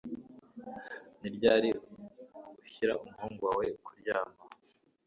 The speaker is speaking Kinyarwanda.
Ni ryari ushyira umuhungu wawe kuryama